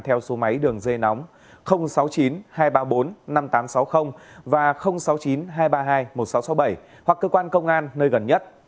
theo số máy đường dây nóng sáu mươi chín hai trăm ba mươi bốn năm nghìn tám trăm sáu mươi và sáu mươi chín hai trăm ba mươi hai một nghìn sáu trăm sáu mươi bảy hoặc cơ quan công an nơi gần nhất